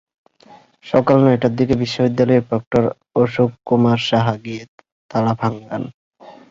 সকাল নয়টার দিকে বিশ্ববিদ্যালয়ের প্রক্টর অশোক কুমার সাহা গিয়ে তালা ভাঙান।